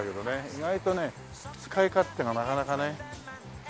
意外とね使い勝手がなかなかね。